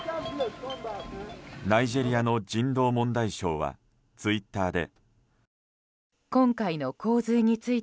ナイジェリアの人道問題相はツイッターで。